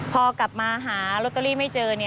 พอกลับมาหาลอตเตอรี่ไม่เจอ